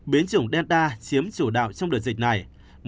biến chủng denta chiếm chủ đạo trong đợt dịch này